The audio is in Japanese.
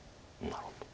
なるほど。